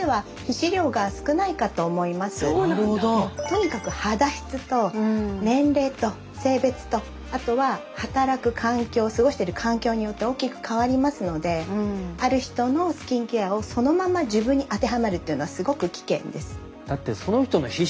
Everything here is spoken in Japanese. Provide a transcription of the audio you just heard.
とにかく肌質と年齢と性別とあとは働く環境過ごしてる環境によって大きく変わりますのである人のスキンケアをそのまま自分に当てはめるというのはすごく危険です。